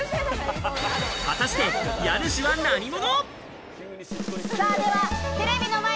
果たして家主は何者？